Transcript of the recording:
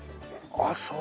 ああそう。